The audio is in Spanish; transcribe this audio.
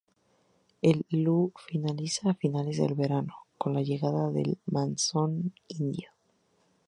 El Loo finaliza a finales del verano, con la llegada del monzón indio.